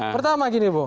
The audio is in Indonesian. pertama gini bu